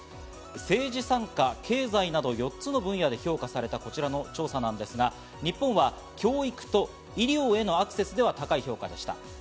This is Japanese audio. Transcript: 政治参加、経済など４つの分野で評価されたこちらの調査なんですが、日本は教育と医療へのアクセスでは高い評価でした。